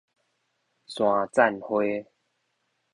山棧花